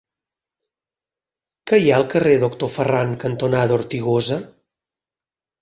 Què hi ha al carrer Doctor Ferran cantonada Ortigosa?